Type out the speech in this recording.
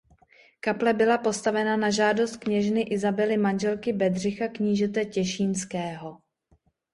Kaple byla postavena na žádost kněžny Isabely manželky Bedřicha knížete těšínského.